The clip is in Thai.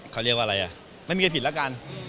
ไม่มีใครผิดละกัน